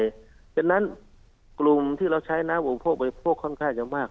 เพราะฉะนั้นกลุ่มที่เราใช้น้ำอุปโภคบริโภคค่อนข้างจะมาก